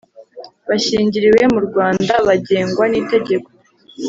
bashyingiriwe mu Rwanda bugengwa n itegeko